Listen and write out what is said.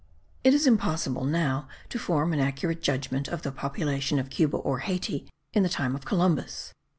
It is impossible now to form an accurate judgment of the population of Cuba or Hayti in the time of Columbus.